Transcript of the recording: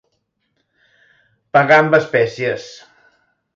Pagar amb espècies.